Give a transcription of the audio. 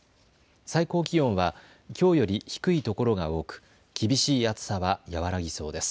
最高気温はきょうより低いところが多く厳しい暑さは和らぎそうです。